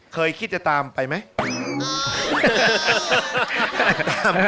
เคยคิดจะตามไปไหม